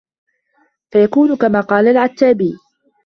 فَيَكُونُ كَمَا قَالَ الْعَتَّابِيُّ